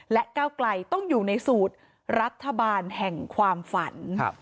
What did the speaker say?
และก้าวไกลต้องอยู่ในสูตรรัฐบาลแห่งความฝัน